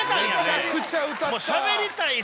めちゃくちゃ歌った。